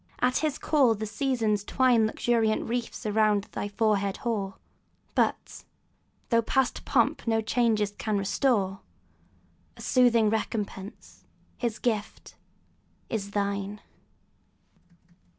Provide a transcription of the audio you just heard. at his call the Seasons twine Luxuriant wreaths around thy forehead hoar; And, though past pomp no changes can restore, A soothing recompence, his gift, is thine!